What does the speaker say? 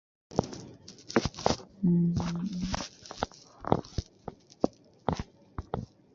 এরপর তিনি একই বছর ক্যালেন্ডার গার্ল হান্ট প্রতিযোগিতার বিজয়ী হন।